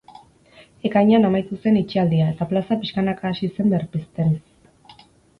Ekainean amaitu zen itxialdia, eta plaza pixkanaka hasi zen berpizten.